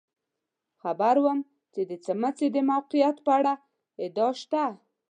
خبر وم چې د څمڅې د موقعیت په اړه ادعا شته.